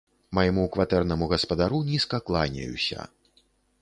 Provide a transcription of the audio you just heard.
Майму кватэрнаму гаспадару нізка кланяюся!